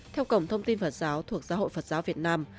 theo cổng thông tin phật giáo thuộc giáo hội phật giáo việt nam